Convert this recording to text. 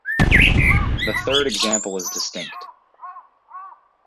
The third example is distinct.